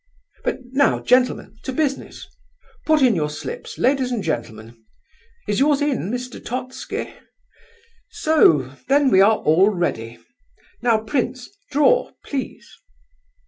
But now, gentlemen, to business! Put in your slips, ladies and gentlemen—is yours in, Mr. Totski? So—then we are all ready; now prince, draw, please."